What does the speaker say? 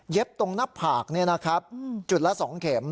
เย็บตรงหน้าผากเนี่ยนะครับจุดละสองเข็ม